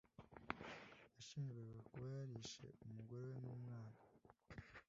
Yashinjwaga kuba yarishe umugore we n’umwana.